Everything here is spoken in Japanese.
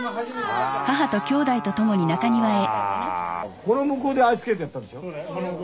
この向こうでアイススケートやったんでしょ。